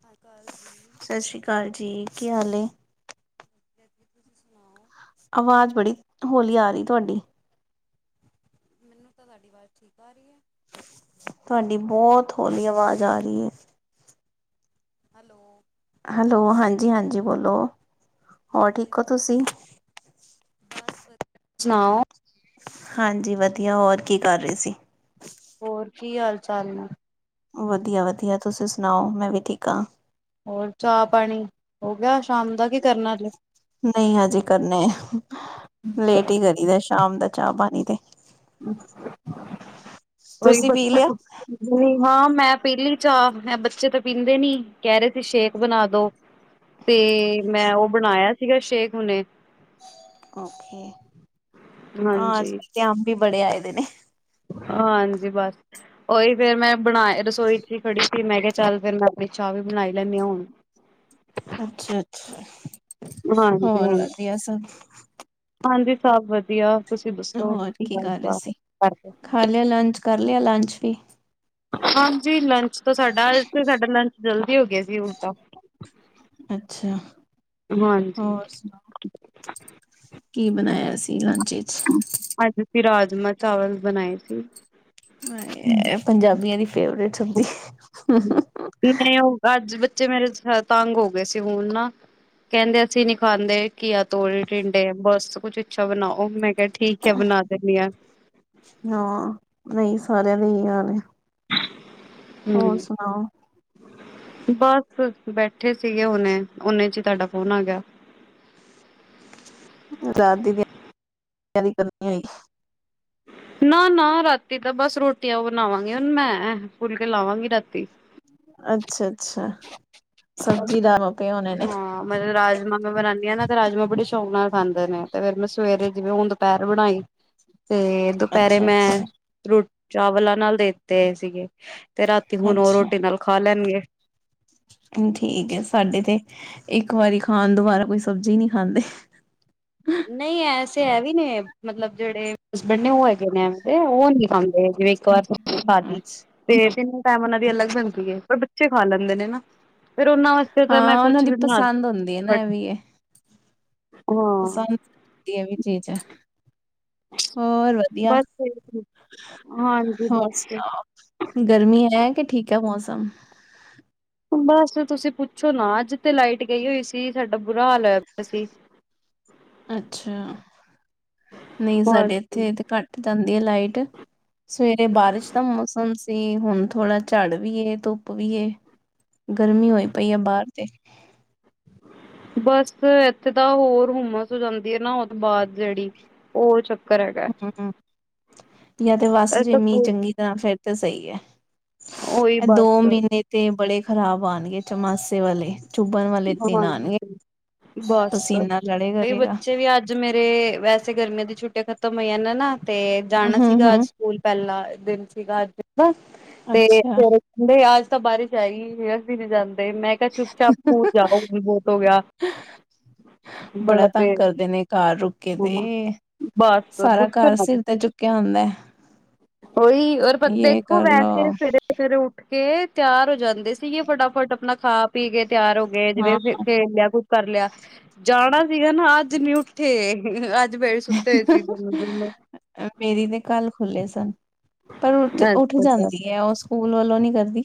ਸਤਿ ਸ਼੍ਰੀ ਅਕਾਲ ਜੀ ਸਸ੍ਰੀ ਕਾਲ ਜੀ, ਕੀ ਹਾਲ ਏ? ਮੈਂ ਵਦੀਆ ਜੀ, ਤੁਸੀਂ ਸੁਣਾਓ? ਆਵਾਜ਼ ਬੜੀ ਹੌਲੀ ਆ ਰੀ ਏ ਤੁਹਾਡੀ। ਮੈਨੂੰ ਤਾਂ ਤੁਹਾਡੀ ਆਵਾਜ਼ ਠੀਕ ਆ ਰੀ ਐ। ਤੁਹਾਡੀ ਬੋਤ ਹੌਲੀ ਆਵਾਜ਼ ਆ ਰੀ ਏ। ਹੈਲੋ! ਹੈਲੋ, ਹਾਂਜੀ-ਹਾਂਜੀ, ਬੋਲੋ, ਹੋਰ ਹਾਂਜੀ ਠੀਕ ਓ ਹਾਂਜੀ ਤੁਸੀਂ? ਦੱਸੋ ਬਸ ਵਦੀਆ, ਸੁਨਾਓ। ਹਾਂਜੀ ਵਦੀਆ, ਹੋਰ ਕੀ ਕਰ ਰਹੇ ਸੀ? ਹੋਰ ਕੀ ਹਾਲ- ਚਾਲ ਨੇ? ਵਦੀਆ- ਵਦੀਆ ਤੁਸੀਂ ਸੁਨਾਓ, ਮੈਂ ਵੀ ਠੀਕ ਆ। ਹੋਰ ਚਾਅ-ਪਾਨੀ ਹੋ ਗਿਆ ਸ਼ਾਮ ਦਾ, ਕੇ ਕਰਨਾ ਅਜੇ? ਕਰਨੇ ਆ, ਲੇਟ ਈ ਕਰਨੇ ਆ ਸ਼ਾਮ ਦਾ ਚਾਹ-ਪਾਣੀ ਤੇ। ਉਹੀ ਤੁਸੀਂ ਬਸ ਪੀ ਲਿਆ [unintelligible] ਨਈ ਮਾਂ ਮੈਂ ਪੀਲੀ ਚਾਹ, ਮੈਂ ਬੱਚੇ ਤੇ ਪੀਂਦੇ ਨੀ ਕੈਅ ਰੇ ਸੀ ਸ਼ੇਕ ਬਨਾ ਦੋ। [inaudible] 'ਤੇ ਮੈਂ ਉਹ ਅੱਛਾ ਬਨਾਇਆ ਸੀਗਾ ਸ਼ੇਖ ਹੁਨੇ। ਓਕੇ, ਹਾਂ ਅੱਜ- ਹਾਂਜੀ ਕੱਲ ਤੇ ਅੰਬ ਵੀ ਬੜੇ ਆਏ ਦੇ ਨੇ। ਹਾਂਜੀ, ਬਸ। ਉਹੀ ਫੇਰ ਮੈਂ ਬਣਾ ਰਸੋਈ ਚ ਹੀ ਖੜੀ ਸੀ, ਮੈਂ ਕਿਹਾ ਚੱਲ ਫੇਰ ਮੈਂ ਆਪਣੀ ਚਾਹ ਵੀ ਬਣਾਈ ਲੈਂਨੀ ਆ ਹੁਣ। ਅੱਛਾ, ਅੱਛਾ ਹਾਂਜੀ ਹੋਰ ਹਾਂਜੀ ਵਧੀਆ ਸਭ? ਹਾਂਜੀ, ਸਭ ਵਧੀਆ। ਤੁਸੀਂ ਦੱਸੋ ਹੋਰ ਕੀ ਕਰ ਰਹੇ ਗ ਸੀ ਖਾ ਲਿਆ ਲੰਚ, ਕਰ ਲਿਆ ਲੰਚ ਵੀ? ਹਾਂਜੀ, ਲੰਚ ਤੋਂ ਸਾਡਾ, ਅੱਜ ਤੇ ਸਾਡਾ ਲੰਚ ਜਲਦੀ ਹੋ ਗਿਆ ਸੀ ਉਲਟਾ। ਅੱਛਾ! ਹਾਂਜੀ ਹੋਰ ਸੁਣਾਓ? ਕੀ ਬਣਾਇਆ ਸੀ ਲੰਚ ਵਿਚ? ਅੱਜ ਅਸੀਂ ਰਾਜਮਾਂ ਚਾਵਲ ਬਣਾਏ ਸੀ। ਹਾਏ, ਐ ਪੰਜਾਬੀਆਂ ਦੀ ਫੇਵਰੇਟ ਸਬਜ਼ੀ। ਨਹੀਂ ਉਹ ਅੱਜ ਬੱਚੇ ਮੇਰੇ ਤੰਗ ਹੋ ਗਏ ਸੀ ਹੁਣ ਨਾ। ਕਹਿੰਦੇ ਅਸੀਂ ਨੀ ਖਾਂਦੇ, ਘੀਆ ਤੋਰੀ, ਟਿੰਡੇ ਬਸ ਕੁੱਛ ਅੱਛਾ ਬਣਾਓ। ਮੈਂ ਕਹਿ ਠੀਕ ਐ, ਬਣਾ ਦਿੰਨੀ ਆ। ਹਾਂ, ਨਹੀਂ ਸਾਰਿਆਂ ਦੇ ਏ ਹੀ ਹਾਲ ਹੈ। ਹੂ। ਬਸ ਬੈਠੇ ਸੀਗੇ ਹੁਨੇ, ਓਨੇ ਚ ਹੀ ਤੁਹਾਡਾ ਫੋਨ ਆ ਗਿਆ। ਰਾਤ ਦੀ ਤਿਆਰੀ ਕਰਨੀ ਹੋਈ। ਨਾ, ਨਾ ਰਾਤੀ ਤਾਂ ਬਸ ਰੋਟੀਆਂ ਬਣਾਵਾਂਗੀ ਹੁਣ ਮੈਂ, ਫੁੱਲ ਕੇ ਲਾਵਾਂਗੀ ਰਾਤੀ। ਅੱਛਾ, ਅੱਛਾ ਸਬਜ਼ੀ ਦਾਵ ਪਏ ਹੋਨੇ ਨੇ। ਹਾਂ ਮੈਂ ਰਾਜਮਾਂ ਮੈਂ ਬਣਾਂਦੀ ਹਾਂ ਨਾ ਤੇ ਰਾਜਮਾਂ ਬੜੇ ਸ਼ੌਂਕ ਨਾਲ ਖਾਂਦੇ ਨੇ ਤੇ ਫੇਰ ਮੈਂ ਸਵੇਰੇ ਜਿਵੇਂ ਹੁਣ ਦੁਪਹਿਰ ਬਣਾਈ। ਤੇ ਦੁਪਹਿਰੇ ਅੱਛਾ-ਅੱਛਾ, ਮੈਂ, ਅੱਛਾ ਰੋ ਚਾਵਲਾਂ ਨਾਲ ਦੇਤੇ ਸੀਗੇ। ਤੇ ਰਾਤੀ ਹੁਣ ਉਹ ਰੋਟੀ ਅੱਛਾ, ਨਾਲ ਖਾ ਲੈਣਗੇ। ਹ ਠੀਕ ਐ, ਸਾਡੇ ਤੇ ਇੱਕ ਵਾਰੀ ਖਾਣ ਦੁਬਾਰਾ ਕੋਈ ਸਬਜ਼ੀ ਨਹੀਂ ਖਾਂਦੇ। ਨਹੀਂ ਐਸੇ ਐ ਵੀ ਨੇ, ਮਤਲਬ ਜਿਹੜੇ ਹਸਬੈਂਡ ਨੇ ਉਹ ਹੈਗੇ ਨੇ। ਉਹ ਨਹੀਂ ਖਾਂਦੇ, ਜਿਹੜੀ ਇੱਕ ਵਾਰ ਸਬਜ਼ੀ ਖਾ ਲੀ। ਅੱਛਾ ਤੇ ਤਿੰਨ ਟਾਈਮ ਉਹਨਾਂ ਦੀ ਅਲੱਗ ਬਣਦੀ ਏ, ਪਰ ਬੱਚੇ ਖਾ ਲੈਂਦੇ ਨੇ ਨਾ। ਫਿਰ ਉਹਨਾਂ ਵਾਸਤੇ ਤਾਂ ਮੈਂ ਹਾਂ, ਉਹਨਾਂ ਕੁਛ ਦੀ ਵੀ ਬਣਾ ਪਸੰਦ ਹੁੰਦੀ ਏ ਨਾ ਇਹ ਵੀ ਏ। ਹਾਂ। ਵ ਇਹ ਵੀ ਚੀਜ਼ ਐ। ਹੋਰ ਵਧੀਆ, ਬਸ ਹਾਂਜੀ ਹੋਰ ਬਸ ਸੁਣਾਓ? ਗਰਮੀ ਹੈ, ਕਿ ਠੀਕ ਹੈ ਮੌਸਮ? ਬਸ ਤੁਸੀਂ ਪੁੱਛੋ ਨਾ, ਅੱਜ ਤੇ ਲਾਈਟ ਗਈ ਹੋਈ ਸੀ, ਸਾਡਾ ਬੁਰਾ ਹਾਲ ਹੋਇਆ ਪਿਆ ਸੀ। ਅੱਛਾ! ਨਹੀਂ ਸਾਡੇ ਹਾਂਜੀ। ਇੱਥੇ ਤੇ ਘੱਟ ਜਾਂਦੀ ਹੈ ਲਾਈਟ। ਸਵੇਰੇ ਬਾਰਿਸ਼ ਦਾ ਮੌਸਮ ਸੀ, ਹੁਣ ਥੋੜ੍ਹਾ ਝੜ ਵੀ ਏ, ਧੁੱਪ ਵੀ ਏ। ਗਰਮੀ ਹੋਈ ਪਈ ਆ ਬਾਹਰ ਤੇ। ਬਸ ਇੱਥੇ ਤਾਂ ਹੋਰ ਹੁਮਸ ਹੋ ਜਾਂਦੀ ਹੈ ਨਾ ਉਹ ਤੋਂ ਬਾਅਦ ਜਿਹੜੀ, ਉਹ ਚ ਹੂ ਜਾਂ ਤੇ ਬਸ ਇਹ ਜੇ ਤਾਂ ਮੀਂਹ ਖੂਬ ਚੰਗੀ ਤਰ੍ਹਾਂ ਫਿਰ ਤੇ ਸਹੀ ਐ। ਉਹੀ ਇਹ ਦੋ ਬਸ। ਮਹੀਨੇ ਤੇ ਬੜੇ ਖ਼ਰਾਬ ਆਣਗੇ, ਚੋਮਾਸੇ ਵਾਲੇ। ਚੁੱਭਣ ਵਾਲੇ ਦਿਨ ਆਣਗੇ, ਹਾਂਜੀ। ਪਸੀਨਾ ਲੜੇ ਕਰੇਗਾ। ਤੇ ਮੇਰੇ, ਵੈਸੇ ਗਰਮੀਆਂ ਦੀਆਂ ਛੁੱਟੀਆਂ ਖਤਮ ਹੋਈਆਂ ਨੇ ਨਾ ਤੇ ਜਾਣਾ ਹੂੰ ਸੀਗਾ ਅੱਜ ਹੂੰ ਸਕੂਲ ਪਹਿਲਾਂ ਦਿਨ ਸੀਗਾ ਅੱਜ ਓਦਾ ਤੇ ਅੱਛਾ ਫਿਰ, ਕਹਿੰਦੇ ਆਜ ਤਾਂ ਬਾਰਿਸ਼ ਆਏਗੀ ਵੀ ਅਸੀਂ ਨੀ ਜਾਂਦੇ, ਮੈਂ ਕਿਹਾ ਚੁੱਪ ਚਾਪ ਸਕੂਲ ਜਾਓ, ਮੀਂਹ ਬਹੁਤ ਹੋ ਗਿਆ। ਬੜਾ ਤੰਗ ਕਰਦੇ ਨੇ, ਘਰ ਰੁਕ ਕੇ ਹਾਂ ਤੇ। ਬਸ ਸਾਰਾ ਪੁੱਛੋ ਘਰ ਨਾ ਸਿਰ ਤੇ ਤੁਸੀਂ ਚੁੱਕਿਆ ਹੁੰਦਾ। ਉਹੀ [unintelligible] ਯੇ ਦੇਖੋ ਕਰਲੋ ਵੈਸੇ ਫਿਰ ਸਵੇਰੇ ਉੱਠ ਕੇ ਤਿਆਰ ਹੋ ਜਾਂਦੇ ਸੀਗੇ ਫਟਾਫਟ ਆਪਣਾ ਖਾ ਪੀ ਕੇ ਤਿਆਰ ਹੋ ਕੇ ਹਾਂ ਜਿਵੇਂ ਖੇਲ ਲਿਆ ਕੁਛ ਕਰ ਲਿਆ ਜਾਣਾ ਸੀਗਾ ਨਾ ਅੱਜ ਨੀ ਉੱਠੇ ਬੜੇ ਸੁੱਤੇ ਹੋਏ ਸੀ ਦੋਨੋ ਦੋਨੋ [unintelligible] ਮੇਰੀ ਦੇ ਕਲ ਖੁੱਲ੍ਹੇ ਸਨ ਪਰ ਉੱਠ ਉੱਠ ਅੱਛਾ ਅੱਛਾ ਜਾਂਦੀ ਹੈ ਉਸ ਸਕੂਲ ਵੱਲੋਂ ਨੀ ਕਰਦੀ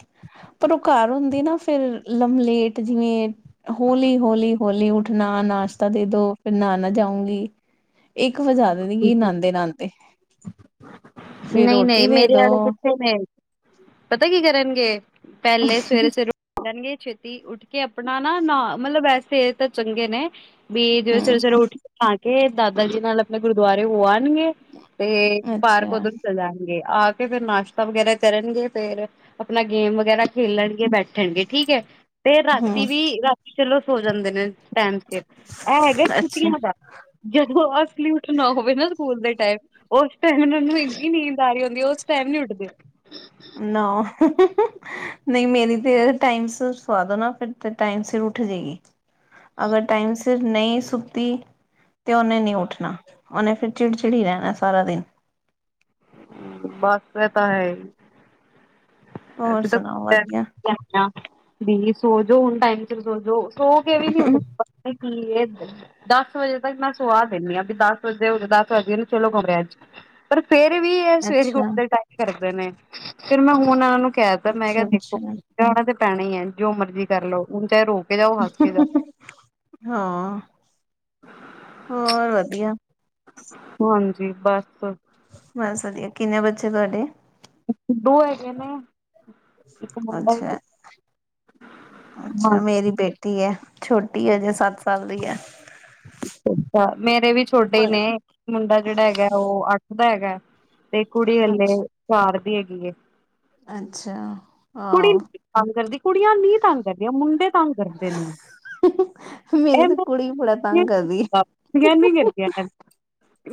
ਪਰ ਉਹ ਘਰ ਹੁੰਦੀ ਨਾ ਫਿਰ ਲਲੇਟ ਜਿਵੇਂ ਹੋਲੀ ਹੋਲੀ ਹੋਲੀ ਉੱਠਣਾ ਨਾਸ਼ਤਾ ਦੇ ਦੋ ਫਿਰ ਨਹਾਨ ਜਾਊਂਗੀ ਇੱਕ ਵਜਾ ਦੇ ਠੀਕ- ਗੀ ਠੀਕ। ਨਾਂਦੇ ਨਾਂਦੇ ਫਿਰ ਨਹੀਂ ਰੋਟੀ ਨਹੀਂ ਮੇਰੀ ਦੋ ਆਲੇ ਪੁਠੇ ਨੇ ਪਤਾ ਕੀ ਕਰਨਗੇ ਪਹਿਲੇ ਸਵੇਰੇ-ਸਵੇਰੇ [unintelligible] ਛੇਤੀ ਉੱਠ ਕੇ ਆਪਣਾ ਨਾ ਨਾ ਮਤਲਬ ਵੈਸੇ ਇਹ ਤਾਂ ਚੰਗੇ ਨੇ ਵੀ ਜਵੇ ਹਮ ਸਵੇਰੇ ਸਵੇਰੇ ਉੱਠੀ ਖਣਾ ਕੇ ਦਾਦਾ ਜੀ ਨਾਲ ਆਪਣੇ ਗੁਰਦੁਆਰੇ ਹੋ ਆਉਣਗੇ ਤੇ ਪਾਰਕ ਅੱਛਾ ਉਧਰ ਚ ਜਾਣਗੇ ਆ ਕੇ ਫਿਰ ਨਾਸ਼ਤਾ ਵਗੈਰਾ ਕਰਨਗੇ ਫੇਰ ਆਪਣਾ ਗੇਮ ਵਗੈਰਾ ਖੇਲਣਗੇ ਬੈਠਣਗੇ ਠੀਕ ਹੈ। ਤੇ ਹਮ ਰਾਤੀ ਵੀ ਰਾਤੀ ਚਲੋ ਸੋ ਜਾਂਦੇ ਨੇ ਟਾਈਮ ਫਿਰ ਇਹ ਹੈਗਾ ਅੱਛਾ ਛੁਟੀਆਂ ਦਾ ਜਦੋਂ ਅਸਲੀ ਉੱਠਣਾ ਹੋਵੇ ਨਾ ਸਕੂਲ ਦੇ ਟਾਈਮ ਉਸ ਟਾਈਮ ਉਹਨੂੰ ਇੰਨੀ ਨੀਂਦ ਆ ਰਹੀ ਆਉਂਦੀ ਉਸ ਟਾਈਮ ਨੀ ਉੱਡਦੇ ਨਾ [unintelligible] ਨਹੀਂ ਮੇਰੀ ਤੇ ਟਾਈਮ ਸਿਰ ਸਵਾਦ ਹੋ ਨਾ ਫਿਰ ਟਾਈਮ ਸਿਰ ਉੱਠ ਜਾਏਗੀ ਅਗਰ ਟਾਈਮ ਸਿਰ ਫਿਰ ਨਹੀਂ ਸੁੱਤੀ ਤੇ ਉਹਨੇ ਨਹੀਂ ਉੱਠਣਾ ਉਹਨੇ ਫਿਰ ਚਿੜਚਿੜੀ ਰਹਿਣਾ ਸਾਰਾ ਦਿਨ। ਬੱਸ ਹੋਰ ਸੁਣਾਓ ਵਧੀਆ [unintelligible] ਵੀ ਸੋਜੋ ਹੁਣ ਟਾਇਮ ਸਿਰ ਸੋਜੋ ਸੋ ਕੇ ਵੀ ਨੀ ਉਠ ਕੀ ਇਹ ਦਸ ਵਜੇ ਤੱਕ ਮੈਂ ਸੁਵਾਹ ਦਿੰਦੀ ਹਾਂ ਵੀ ਦਸ ਵਜੇ ਹੋ ਦਸ ਵਜ ਚਲੋ ਕਮਰਿਆ ਚ ਪਰ ਫਿਰ ਵੀ ਇਹ ਸਵੇਰੇ ਅੱਛਾ ਉੱਠਦੇ ਟਾਈਮ ਕਰਦੇ ਨੇ ਫਿਰ ਮੈਂ ਹੁਣ ਇਹਨਾਂ ਨੂੰ ਕਹਿ ਦਿੱਤਾ ਮੈਂ ਕਿਹਾ ਦੇਖੋ। ਅੱਛਾ-ਅੱਛਾ ਉਠਨਾ ਤੇ ਪੈਣਾ ਹੀ ਹੈ। ਜੋ ਮਰਜ਼ੀ ਕਰ ਲਓ ਹੁਣ ਚਾਹੇ ਰੋਕ [unintelligible] ਹਾਂ ਹੋਰ ਵਧੀਆ ਹਾਂਜੀ ਬਸ ਬਸ ਵਧੀਆ ਕਿੰਨੇ ਬੱਚੇ ਤੁਹਾਡੇ ਦੋ ਹੈਗੇ ਨੇ ਇੱਕ ਮੁੰਡਾ ਇਕ ਅੱਛਾ ਮੇਰੀ ਬੇਟੀ ਹੈ। ਛੋਟੀ ਹੈ ਅਜੇ ਸੱਤ ਸਾਲ ਦੀ ਹੈ। ਅੱ ਮੇਰੇ ਵੀ ਛੋਟੇ ਹੀ ਨੇ, ਮੁੰਡਾ ਜਿਹੜਾ ਹੈਗਾ ਉਹ ਅੱਠ ਦਾ ਹੈਗਾ। ਤੇ ਕੁੜੀ ਹਾਲੇ ਚਾਰ ਦੀ ਹੈਗੀ ਹੈ ਅੱਛਾ ਕੁੜੀ ਤੰਗ ਕਰਦੀ ਕੁੜੀਆਂ ਨੀ ਤੰਗ ਕਰਦੀਆਂ ਮੁੰਡੇ ਤੰਗ ਕਰਦੇ ਨੇ ਮੇਰੀ ਤਾਂ ਕੁੜੀ ਬੜਾ ਤੰਗ ਕਰਦੀ ਹੈ। [unintelligible]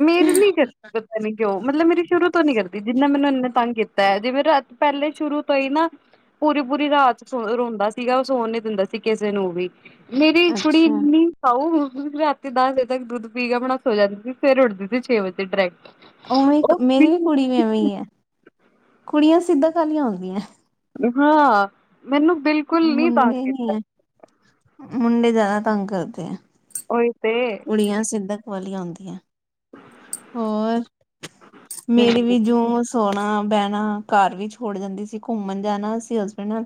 ਮੇਰੇ ਨੀ ਕਰਦੀ ਪਤਾੀ ਕਿਉਂ ਮਤਲਬ ਮੇਰੀ ਸ਼ੁਰੂ ਤੋਂ ਨੀ ਕਰਦੀ ਜਿੰਨਾ ਮੈਨੂੰ ਇੰਨੇ ਤੰਗ ਕੀਤਾ ਹੈ। ਜੇਵੇਂ ਰਾ ਪਹਿਲੇ ਸ਼ੁਰੂ ਤੋਂ ਹੀ ਨਾ ਪੂਰੀ-ਪੂਰੀ ਰਾਤ ਰੋਂਦਾ ਸੀਗਾ, ਉਹ ਸੋਣ ਨੀ ਦਿੰਦਾ ਸੀ ਕਿਸੇ ਨੂੰ ਵੀ। ਮੇਰੀ ਕੁੜੀ ਅੱਛਾ ਇਨੀ ਸਾਉ ਤੇ ਦਸ ਵਜੇ ਤੱਕ ਦੁੱਧ ਧੀ ਕੇ ਆਪਣਾ ਸੋ ਜਾਂਦੀ, ਸਵੇਰ ਉੱਠ ਦੀ ਛੇ ਵਜੇ ਡਾਇਰੈਕਟ। ਉਵੇਂ ਉਹ ਮੇਰੀ ਵੀ ਬਿਲਕੁਲ ਕੁੜੀ ਵੀ ਐਵੇਂ ਹੀ ਹੈ। ਕੁੜੀਆਂ ਸਿੱਧਕ ਵਾਲੀਆਂ ਹੁੰਦੀਆਂ ਹਾਂ ਮੈਨੂੰ ਬਿਲਕੁਲ ਨੀ ਤੰਗ ਮੁੰਡੇ ਕੀਤਾ ਨਹੀਂ ਹੈ। ਮੁੰਡੇ ਜਿਆਦਾ ਤੰਮ ਕਰਦੇ ਨੇ ਉਈ ਤੇ ਕੁੜੀਆਂ ਸਿਧਕ ਵਾਲੀਆਂ ਹੁੰਦੀਆਂ। ਹੋਰ ਮੇਰੇ ਵੀ ਹੂੰ, ਜੋਸ ਸੋਣਾ, ਬਹਿਣਾ ਘਰ ਵੀ ਛੋੜ ਜਾਂਦੀ ਸੀ ਘੁੰਮਣ ਜਾਣਾ ਸੀ ਹਸਬੈਂਡ ਨਾਲ।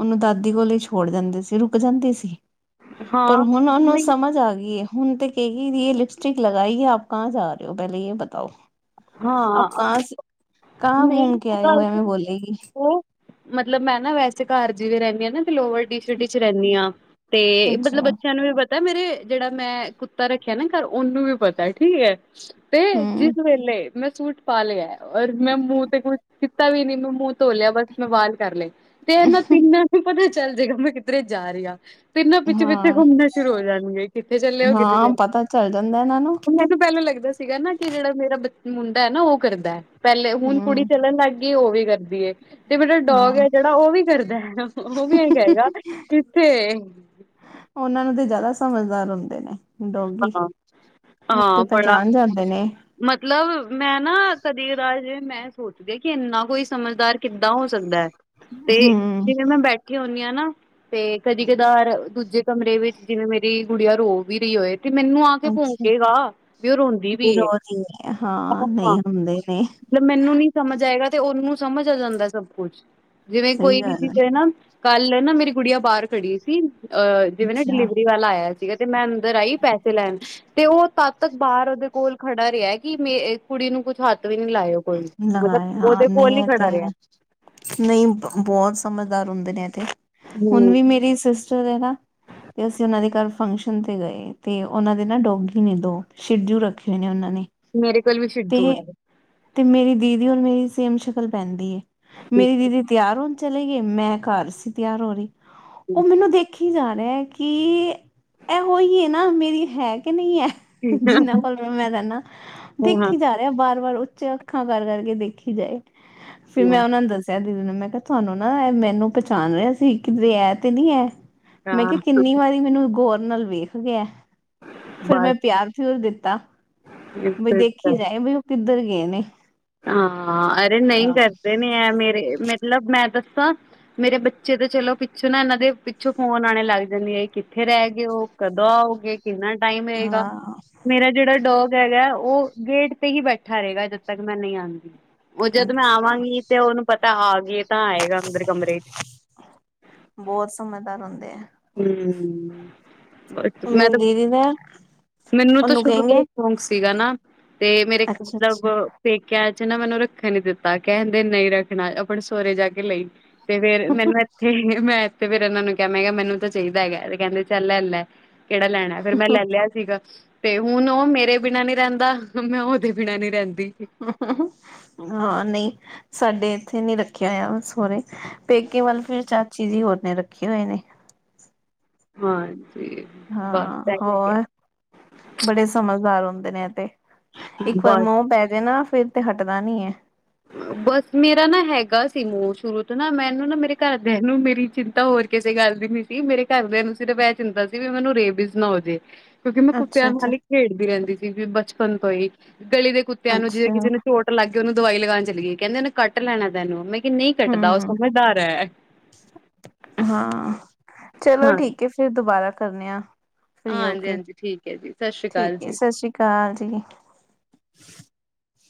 ਉਹਨੂੰ ਦਾਦੀ ਕੋਲ ਹੀ ਛੋੜ ਜਾਂਦੇ ਸੀ ਰੁਕ ਜਾਂਦੇ ਸੀ। ਪਰ ਹਾਂ, ਹੁਣ ਉਹਨੂੰ ਨਹੀਂ ਸਮਝ ਆ ਗਈ ਹੁਣ ਤੇ ਕਹੇ ਗੀ ਇਹ ਲਿਪਸਟਿਕ ਲਗਾਈ ਐ। ਕ ਜਾ ਰਹੇ ਹੋ ਪਹਿਲੇ ਇਹ ਬਤਾਓ ਆਪ ਹਾਂ, ਕ ਸੀ ਕਹਾਂ ਨਹੀਂ ਘੁੰਮ ਕੇ ਇਹ ਆਏ ਹੋ ਗੱਲ ਤਾਂ ਹਮੈਂ ਬੋਲੇਗੀ। ਉਹ ਮਤਲਬ ਮੈਂ ਨਾ ਵੈਸੇ ਘਰ ਜਿਵੇ ਰਹਿੰਦੀ ਹ ਨਾ ਤੇ ਲੋਵਰ ਸ਼ ਚ ਰਹਿੰਦੀ ਹਾਂ ਤੇ ਮਤਲਬ ਅੱਛਾ ਬੱਚਿਆਂ ਨੂੰ ਵੀ ਤਾ ਮੇਰੇ ਜਿਹੜਾ ਮੈਂ ਕੁੱਤਾ ਰੱਖਿਆ ਨਾ ਘਰ ਉਹਨੂੰ ਵੀ ਪਤਾ ਠੀਕ ਹੈ। ਤੇ ਜਿਸ ਹਮ ਵੇਲੇ ਮੈਂ ਸੂਟ ਪਾ ਲਿਆ ਔਰ ਮੈਂ ਮੂੰਹ ਤੇ ਕੁਛ ਕੀਤਾ ਵੀ ਨੀ ਮੈਂ ਮੂੰਹ ਧੋ ਲਿਆ ਬਸ ਮੈਂ ਵਾਲ ਕਰ ਲੇ ਤੇ ਇਹਨਾਂ ਤਿੰਨਾਂ ਨੂੰ ਪਤਾ ਚੱਲ ਜਏਗਾ ਮੈਂ ਕਿਧਰੇ ਜਾ ਰਹੀ ਆਂ ਤ ਨਾ ਪਿੱਛੇ- ਪਿੱਛੇ ਹਾਂ ਘੁੰਮਣਾ ਸ਼ੁਰੂ ਹੋ ਜਾਣਗੇ ਕਿੱਥੇ ਚੱਲੇ ਹੋ ਕਿੱਧੇ ਹਾਂ ਚੱਲ ਪਤਾ ਚੱਲ ਜਾਂਦਾ ਇਹਨਾਂ ਨੂੰ ਮੈਨੂੰ ਪਹਿਲਾਂ ਲੱਗਦਾ ਸੀਗਾ ਨਾ ਕਿ ਜਿਹੜਾ ਮੇਰਾ ਮੁੰਡਾ ਐ ਨਾ ਉਹ ਕਰਦਾ ਐ ਪਹਿਲੇ ਹੁਣ ਕੁੜੀ ਹਮ ਚੱਲਣ ਲੱਗ ਗਈ। ਕੇ ਉਹਵੇ ਕਰਦੀ ਏ। ਤੇ ਮੇਰਾ ਡੋਗ ਹਾਂ ਐ ਜਿਹੜਾ ਉਹ ਵੀ ਕਰਦਾ ਐ ਉਹ ਵੀ ਇਹੀ ਕੇਗਾ ਕਿੱਥੇ। ਉਹਨਾਂ ਨੂੰ ਤੇ ਜ਼ਿਆਦਾ ਸਮਝਦਾਰ ਹੁੰਦੇ ਨੇ। ਡੋਗੀ ਹਾਂ ਉੱਥੇ ਹਾਂ ਬੜਾ ਪਹਿਚਾਣ ਜਾਂਦੇ ਨੇ। ਮਤਲਬ ਮੈਂ ਨਾ ਕਦੇ ਕਦਾਰ ਮੈਂ ਸੋਚਦੀ ਕਿ ਇੰਨਾ ਕੋਈ ਸਮਝਦਾਰ ਕਿੱਦਾਂ ਹੋ ਸਕਦਾ ਐ। ਤੇ ਹਮ ਜਿਵੇਂ ਮੈਂ ਬੈਠ। ਬੈਠੀ ਹੁਣੀ ਆ ਨਾ ਤੇ ਕਦੀ ਕਦਾਰ ਦੂਜੇ ਕਮਰੇ ਵਿੱਚ ਜਿਵੇਂ ਮੇਰੀ ਗੁੜੀਆ ਰੋ। ਰੋਂਦੀ ਪਈ ਹੋਏ ਤੇ ਮੈਨੂੰ ਆ ਤੇ ਅੱਛਾ ਭੋਂਕੇਗਾ ਵੀ ਉਹ ਰੋਂਦੀ ਪਈ ਐ। ਵਿਰੋਧੀ ਹੈ ਹਾਂ ਨਹੀਂ ਹੁੰਦੇ ਨੇ ਮਤਲਬ ਮੈਨੂੰ ਨੀ ਸਮਝ ਆਏਗਾ ਤੇ ਉਹਨੂੰ ਸਮਝ ਆ ਜਾਂਦਾ ਸਭ ਕੁਛ ਜਿਵੇਂ ਸਹੀ ਕੋਈ ਵੀ ਗੱਲ ਚੀਜ਼ ਹੈ ਨਾ। ਕੱਲ ਨਾ ਮੇਰੀ ਗੁੜੀਆਂ ਬਾਹਰ ਖੜੀ ਸੀ ਅਹ ਜਿਵੇਂ ਨਾ ਅੱਛਾ ਡਿਲੀਵਰੀ ਵਾਲਾ ਆਇਆ ਸੀਗਾ ਤੇ ਮੈਂ। ਅੰਦਰ ਆਈ ਪੈਸੇ ਲੈਣ। ਤੇ ਉਹ ਤਦ ਤੱਕ ਬਾਹਰ ਉਹਦੇ ਕੋਲ ਖੜਾ ਰਿਹਾ ਕਿ ਮੇ ਕੁੜੀ ਨੂੰ ਕੁੱਛ ਹੱਥ ਵੀ ਨੀ ਲਾਇ ਓ। ਕੋਈ ਲਗਾਏ ਮਤਲਬ ਹਾਂ ਉਹਦੇ ਨਹੀਂ ਕੋਲ ਈ ਇਹ ਤੇ ਖੜਾ ਰਿਹਾ। ਹੈ ਨਹੀਂ ਬਹੁਤ ਸਮਝਦਾਰ ਹੁੰਦੇ ਨੇ ਇਹ ਤੇ ਹੁਣ ਹੂੰ ਵੀ ਮੇਰੀ ਸਿਸਟਰ ਐ ਨਾ। ਤੇ ਅਸੀਂ ਉਹਨਾਂ ਦੇ ਘਰ ਫੰਕਸ਼ਨ ਤੇ ਗਏ ਤੇ ਉਹਨਾਂ ਦੇ ਨਾ ਡੋਗੀ ਨੇ ਦੋ। ਸ਼ਿਧੂ ਰੱਖੇ ਨੇ ਉਹਨਾਂ ਨੇ। ਮੇਰੇ ਕੋਲ ਵੀ ਤੇ ਸ਼ਿਧੂ ਐ। ਤੇ ਮੇਰੀ ਦੀਦੀ ਔਰ ਮੇਰੀ ਸੇਮ ਸ਼ਕਲ ਪੈਂਦੀ ਏ ਮੇਰੀ ਦੀਦੀ। ਤਿਆਰ ਹੋਣ ਚਲੇ ਗਏ ਮੈਂ ਘਰ ਸੀ ਤਿਆਰ ਹੋ ਰਹੀ। ਉਹ ਮੈਨੂੰ ਦੇਖੀ ਜਾ ਰਿਹਾ ਕਿ। ਇਹੋ ਹੀ ਐ ਨਾ ਮੇਰੀ ਹੈ ਕਿ ਨਈ ਐ। ਜਿੰਨਾ ਕੋਲ ਮੈਂ ਰਹਿਣਾ ਹਾਂ ਹਾਂ, ਦੇਖੀ ਜਾ ਰਿਹਾ ਬਾਰ- ਬਾਰ। ਅੱਖਾਂ ਕਰ- ਕਰ ਕਰਕੇ ਦੇਖੀ ਜਾਏ ਫਿਰ ਮੈਂ ਉਹਨਾਂ ਨੂੰ ਦੱਸਿਆ। ਦੱਸਿਆ ਦੀਦੀ ਨੂੰ ਮੈਂ ਕਿਹਾ ਤੁਹਾਨੂੰ ਨਾ ਇਹ ਮੈਨੂੰ ਪਛਾਣ ਰਿਹਾ ਸੀ ਕਿਧਰੇ ਐ ਤੇ ਨੀ ਐ। ਮੈਂ ਕਿਹਾ ਹਾਂ ਕਿੰਨੀ ਵਾਰੀ ਮੈਨੂੰ ਗੌਰ ਨਾਲ ਵੇਖ ਗਿਆ ਫੇਰ ਮੈਂ ਪਿਆਰ। ਪਿਆਰ ਦਿੱਤਾ ਬਈ ਬਸ ਦੇਖੀ ਜਾਏ ਬਈ ਉਹ ਕਿੱਧਰ ਗਏ ਨੇ। ਹਾਂ! ਅਰੇ ਨਹੀਂ ਕਰਦੇ ਨੇ ਐ ਮੇਰੇ ਮਤਲਬ ਮੈਂ ਦੱਸਾਂ। ਮੇਰੇ ਬੱਚੇ ਤਾਂ ਚਲੋ ਪਿੱਛੋਂ ਨਾ ਇਹਨਾਂ ਦੇ ਪਿੱਛੋਂ ਫ਼ੋਨ ਆਉਣੇ ਲੱਗ ਜਾਂਦੇ ਐ। ਕਿੱਥੇ ਰਹਿ ਗਏ ਉਹ, ਕਦੋਂ ਆਓਗੇ। ਕਿੰਨਾ ਟਾਈਮ ਰਏਗਾ ਹਾਂ ਮੇਰਾ ਜਿਹੜਾ ਡੋਗ ਹੈਗਾ ਉਹ ਗੇਟ ਤੇ ਹੀ ਬੈਠਾ ਰਹੇਗਾ ਜਦ ਤੱਕ। ਮੈਂ ਨਹੀਂ ਆਉਂਦੀ, ਉਹ ਜਦ ਮੈਂ ਅੱਛਾ ਆਵਾਂਗੀ ਤੇ ਉਹਨੂੰ ਪਤਾ ਆ ਗਏ ਤਾਂ ਆਏਗਾ ਅੰਦਰ ਕਮਰੇ 'ਚ। ਬਹੁਤ ਸਮਝਦਾਰ ਹੁੰਦੇ ਆ। ਹੂੰ! ਹੂੰ! ਬਸ ਮੈਂ ਮੇਰੀ ਤਾਂ, ਦੀਦੀ ਦਾ ਮੈਨੂੰ ਤਾਂ ਉਹਨੂੰ ਸ਼ੁਰੂ ਕਹੇਗੇ ਤੋਂ ਸ਼ੌਕ ਸੀਗਾ ਨਾ ਤੇ ਮੇਰੇ ਮਤਲਬ ਅੱਛਾ ਪੇਕਿਆਂ 'ਚ ਨਾ ਮੈਨੂੰ ਰੱਖਣ ਨੀ ਦਿੱਤਾ, ਕਹਿੰਦੇ ਨਹੀਂ ਰੱਖਣਾ, ਆਪਣੇ ਸਹੁਰੇ ਜਾ ਕੇ ਲਈ। ਤੇ ਫੇਰ ਮੈਨੂੰ ਇੱਥੇ, ਮੈਂ ਇੱਥੇ ਫੇਰ ਇਹਨਾਂ ਨੂੰ ਕਿਹਾ, ਮੈਂ ਕਿਹਾ ਮੈਨੂੰ ਚਾਹੀਦਾ ਹੈਗਾ ਤੇ ਕਹਿੰਦੇ ਚੱਲ ਲੈ ਲੈ, ਕਿਹੜਾ ਲੈਣਾ, ਫੇਰ ਮੈਂ ਲੈ ਲਿਆ। ਸੀਗਾ, ਤੇ ਹੁਣ ਉਹ ਮੇਰੇ ਬਿਨਾਂ ਨੀ ਰਹਿੰਦਾ, ਮੈਂ ਉਹਦੇ ਬਿਨਾਂ ਨੀ ਰਹਿੰਦੀ। ਹਾਂ, ਨਹੀਂ। ਸਾਡੇ ਇੱਥੇ ਨੀ ਰੱਖਿਆ ਹੋਇਆ ਸਹੁਰੇ, ਪੇਕੇ ਵੱਲ ਫਿਰ ਚਾਚੀ ਜੀ ਹੋਰ ਨੇ ਰੱਖੇ ਹੋਏ ਨੇ। ਹਾਂ ਹਾਂ, ਹੋਰ, ਬੜੇ ਸਮਝਦਾਰ ਹੁੰਦੇ ਨੇ ਇਹ ਤੇ। ਹੈ ਇੱਕ ਵਾਰ ਬਸ ਮੋਹ ਪੈ ਜੇ ਨਾ, ਫੇਰ ਤੇ ਹੱਟਦਾ ਨੀ ਏ। ਬਸ, ਮੇਰਾ ਨਾ ਹੈਗਾ ਸੀ ਮੋਹ ਸ਼ੁਰੂ ਤੋਂ ਨਾ, ਮੈਨੂੰ ਨਾ ਮੇਰੇ ਘਰਦਿਆਂ ਨੂੰ ਮੇਰੀ ਚਿੰਤਾ ਹੋ ਰਹੀ ਕਿਸੇ ਗੱਲ ਦੀ ਨੀ ਸੀ, ਮੇਰੇ ਘਰਦਿਆਂ ਨੂੰ ਸਿਰਫ਼ ਇਹ ਚਿੰਤਾ ਸੀ, ਵੀ ਮੈਨੂੰ ਰੇਬੀਜ਼ ਨਾ ਹੋ ਜੇ। ਕਿਉਂਕਿ ਮੈਂ ਅੱਛਾ ਕੁੱਤਿਆਂ ਨੂੰ ਅੱਛਾ ਨਾਲ ਹੀ ਖੇਡਦੀ ਰਹਿੰਦੀ ਸੀਗੀ ਬਚਪਨ ਤੋਂ ਹੀ, ਗਲ਼ੀ ਦੇ ਕੁੱਤਿਆਂ ਨੂੰ ਜੇ ਅੱਛਾ ਕਿਸੇ ਨੂੰ ਚੋਟ ਚੋਟ ਲੱਗ ਗਈ, ਉਹਨੂੰ ਦਵਾਈ ਲਗਾਉਣ ਚਲੀ ਗਈ, ਕਹਿੰਦੇ ਉਹਨੇ ਕੱਟ ਲੈਣਾ ਤੈਨੂੰ, ਮੈਂ ਕਿਹਾ, ਨਹੀਂ ਕੱਟਦਾ, ਉਹ ਹਮ ਸਮਝਦਾਰ ਹੈ। ਹਾਂ! ਚਲੋ ਹਾਂ ਠੀਕ ਹੈ, ਫਿਰ ਦੁਬਾਰਾ ਕਰਨੇ ਆ। ਫਰੀ ਹੋ ਹਾਂਜੀ ਕੇ, ਹਾਂਜੀ ਠੀਕ ਹੈ ਜੀ ਸਤਿ ਸ਼੍ਰੀ ਠੀਕ ਅਕਾਲ ਹੈ, ਜੀ। ਸਤਿ ਸ੍ਰੀ ਅਕਾਲ ਜੀ।